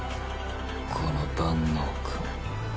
この万能感